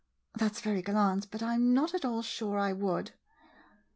That 's very gal lant, but I 'm not at all sure I would.